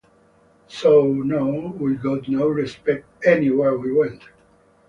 So, no, we got no respect anywhere we went.